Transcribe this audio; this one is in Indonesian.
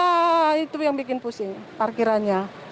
ya itu yang bikin pusing parkirannya